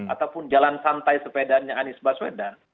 ataupun jalan santai sepedanya anies baswedan